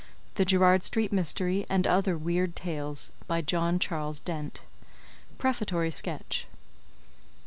THE GERRARD STREET MYSTERY AND OTHER WEIRD TALES. BY JOHN CHARLES DENT. PREFATORY SKETCH.